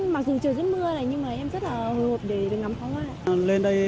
mặc dù trời dưới mưa này nhưng em rất là hồi hộp để ngắm pháo hoa